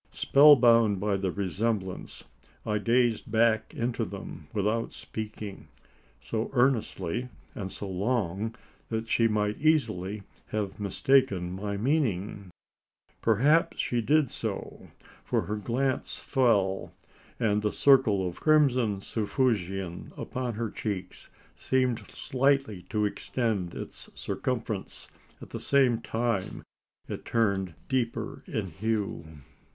Spell bound by the resemblance, I gazed back into them without speaking so earnestly and so long, that she might easily have mistaken my meaning. Perhaps she did so: for her glance fell; and the circle of crimson suffusion upon her cheeks seemed slightly to extend its circumference, at the same time that it turned deeper in hue.